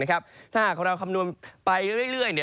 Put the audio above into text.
ถ้าหากเราคำนวณไปเรื่อย